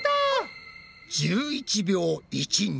１１秒１２！